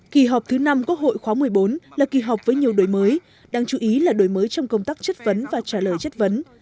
kỳ họp thứ năm quốc hội khóa một mươi bốn là kỳ họp với nhiều đổi mới đáng chú ý là đổi mới trong công tác chất vấn và trả lời chất vấn